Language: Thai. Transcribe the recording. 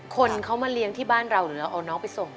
คนเขามาเลี้ยงที่บ้านเราหรือเราเอาน้องไปส่ง